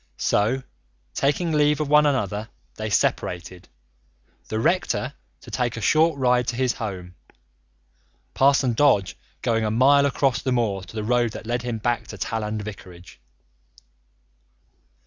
So, taking leave of one another, they separated, the rector to take a short ride to his home, Parson Dodge going a mile across the moor to the road that led him back to Talland vicarage.